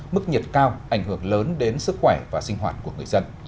mức nhiệt cao ảnh hưởng lớn đến sức khỏe và sinh hoạt của người dân